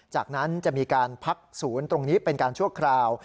จากนั้นจะมีการพักศูนย์ตรงนี้เป็นการชั่วคราว